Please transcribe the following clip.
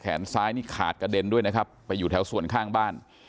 ซ้ายนี่ขาดกระเด็นด้วยนะครับไปอยู่แถวส่วนข้างบ้าน